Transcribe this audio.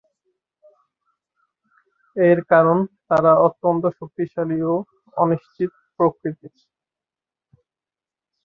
এর কারণ তারা অত্যন্ত শক্তিশালী ও অনিশ্চিত প্রকৃতির।